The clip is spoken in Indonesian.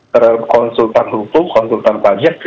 terhadap konsultan hukum konsultan pajak